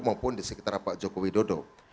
maupun di sekitar pak joko widodo